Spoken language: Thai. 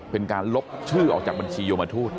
เป็นการลบชื่อออกจากบัญชียมทูต